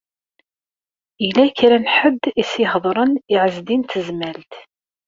Yella kra n ḥedd i s-iheḍṛen i Ɛezdin n Tezmalt.